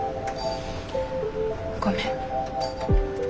ごめん。